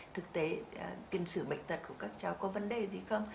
thực tế tiền sử bệnh tật của các cháu có vấn đề gì không